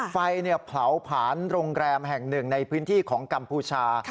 ไฟเผาผ่านโรงแรมแห่งหนึ่งในพื้นที่ของกัมพูชา